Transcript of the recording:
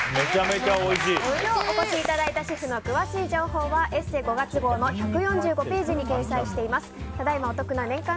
今日お越しいただいたシェフの詳しい情報は「ＥＳＳＥ」５月号の１４５ページに掲載しています。